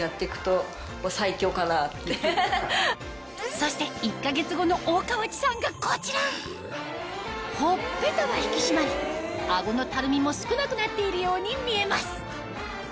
そして１か月後の大川内さんがこちらほっぺたは引き締まりアゴのたるみも少なくなっているように見えます